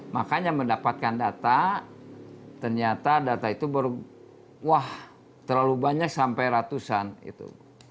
makanya mendapatkan data ternyata data itu wah terlalu banyak sampai ratusan itu